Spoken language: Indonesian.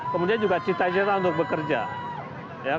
kemudian juga cita cita untuk bekerja